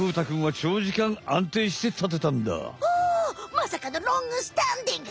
まさかのロングスタンディング！